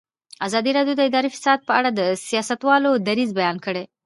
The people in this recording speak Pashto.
ازادي راډیو د اداري فساد په اړه د سیاستوالو دریځ بیان کړی.